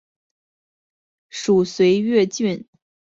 属绥越郡。